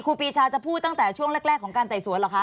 ครูปีชาจะพูดตั้งแต่ช่วงแรกของการไต่สวนเหรอคะ